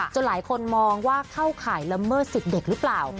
หลายคนมองว่าเข้าข่ายละเมิดสิทธิ์เด็กหรือเปล่า